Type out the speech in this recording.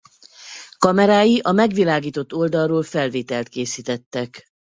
Kamerái a megvilágított oldalról felvételt készítettek.